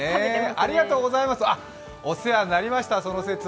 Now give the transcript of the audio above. その節はお世話になりました。